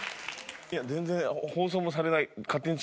いや全然放送もされない。